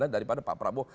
daripada pak prabowo